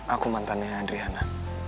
aku mantannya andriana